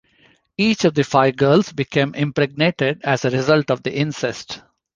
Each of the five girls became impregnated as a result of the incest.